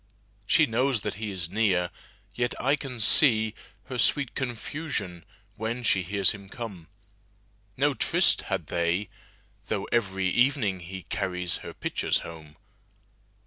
She knows that he is near, yet I can seeHer sweet confusion when she hears him come.No tryst had they, though every evening heCarries her pitchers home.